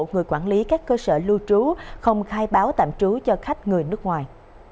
người quản lý các cơ sở lưu trú không khai báo tạm trú cho khách người nước ngoài